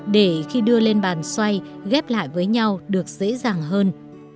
để khi đưa lên bàn xoay ghép lại với nhau được dễ dàng hơn